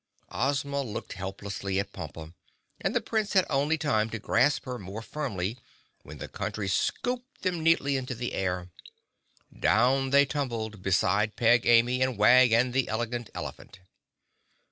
Ozma looked helplessly at Pompa, and the Prince had only time to grasp her more firmly when the Country scooped them neatly into the air. Down they tumbled, beside Peg Amy and Wag and the Elegant Elephant.